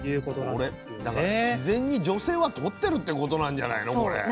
これだから自然に女性はとってるってことなんじゃないの？